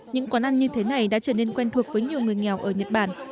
những quán ăn như thế này đã trở nên quen thuộc với nhiều người nghèo ở nhật bản